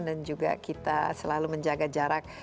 dan juga kita selalu menjaga jarak